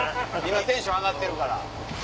今テンション上がってるから。